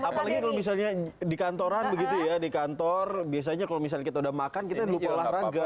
apalagi kalau misalnya di kantoran begitu ya di kantor biasanya kalau misalnya kita udah makan kita lupa olahraga